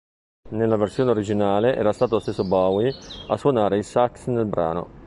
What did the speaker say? Nella versione originale, era stato lo stesso Bowie a suonare il sax nel brano.